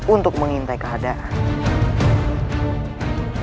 untuk mengintai keadaan